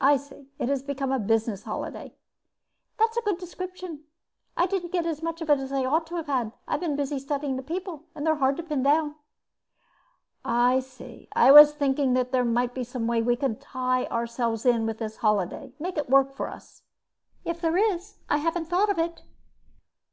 "I see. It has become a business holiday." "That's a good description. I didn't get as much of it as I ought to have. I was busy studying the people, and they're hard to pin down." "I see. I was thinking there might be some way we could tie ourselves in with this holiday. Make it work for us." "If there is I haven't thought of it."